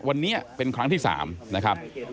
วันนี้เป็นครั้งที่๓นะครับ